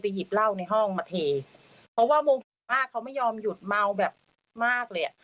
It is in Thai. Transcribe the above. เพราะว่าโมงมากเขาไม่ยอมหยุดเมาแบบมากเลย